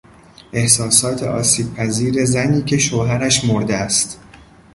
احساسات آسیبپذیر زنی که شوهرش مرده است